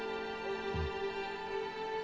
うん。